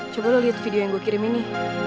coba lo lihat video yang gue kirim ini